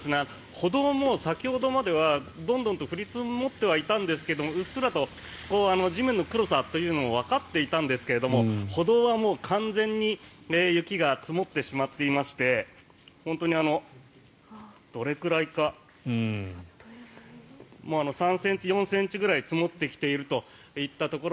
歩道も先ほどまではどんどんと降り積もってはいたんですがうっすらと地面の黒さというのもわかっていたんですけども歩道はもう、完全に雪が積もってしまっていまして本当にどれくらいか３ｃｍ、４ｃｍくらい積もっているといったところ。